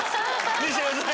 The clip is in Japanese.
見せてください